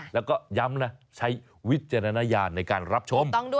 แล้วก็ย้ำนะใช้วิจารณญาณในการรับชม